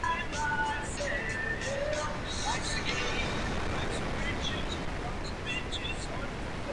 He is currently featured on the Adult Swim show "Hot Package".